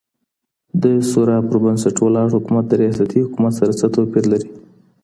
د سورا پر بنسټ ولاړ حکومت د رياستي حکومت سره څه توپير لري؟